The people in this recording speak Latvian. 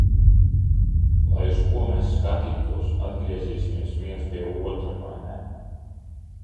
Lai uz ko mēs skatītos, atgriezīsimies viens pie otra, vai ne?